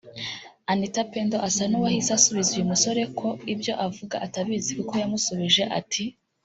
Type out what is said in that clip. Anita Pendo asa nuwahise asubiza uyu musore ko ibyo avuga atabizi kuko yamusubije ati